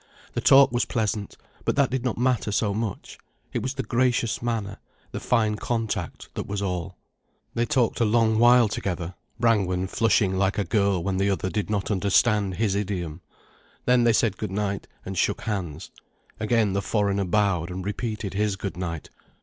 The talk was pleasant, but that did not matter so much. It was the gracious manner, the fine contact that was all. They talked a long while together, Brangwen flushing like a girl when the other did not understand his idiom. Then they said good night, and shook hands. Again the foreigner bowed and repeated his good night.